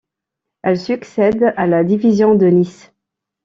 Elle succède à la division de Nice.